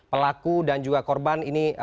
pelaku dan juga korban ini